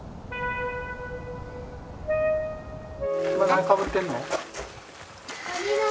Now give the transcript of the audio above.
何かぶってるの？